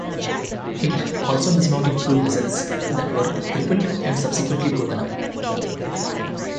It also does not include vessels that were crippled and subsequently broken up.